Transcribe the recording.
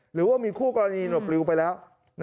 หรือว่ามีคู่กรณีหลบริวไปแล้ว